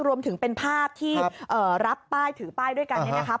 รวมถึงเป็นภาพที่รับป้ายถือป้ายด้วยกันเนี่ยนะครับ